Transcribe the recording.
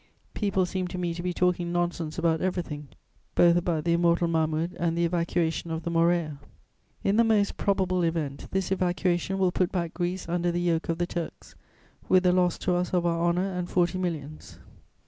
People seem to me to be talking nonsense about everything, both about the immortal Mahmud and the evacuation of the Morea. "In the most probable event, this evacuation will put back Greece under the yoke of the Turks, with the loss to us of our honour and forty millions.